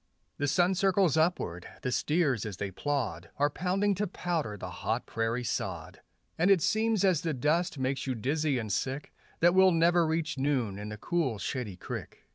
The sun circles upward; the steers as they plod Are pounding to powder the hot prairie sod; And it seems as the dust makes you dizzy and sick That we'll never reach noon and the cool, shady creek.